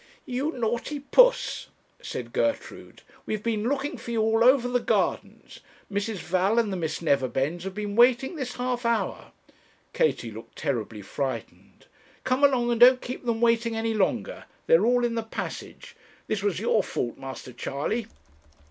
'You naughty puss!' said Gertrude, 'we have been looking for you all over the gardens. Mrs. Val and the Miss Neverbends have been waiting this half hour.' Katie looked terribly frightened. 'Come along, and don't keep them waiting any longer. They are all in the passage. This was your fault, Master Charley.'